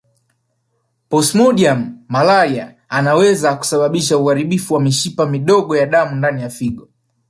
Plasmodium malariae anaweza kusababisha uharibifu wa mishipa midogo ya damu ndani ya figo